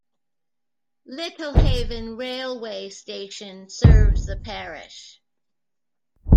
Littlehaven railway station serves the parish.